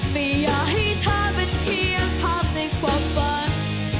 ไม่อยากให้เธอเป็นเพียงภาพในความฝัน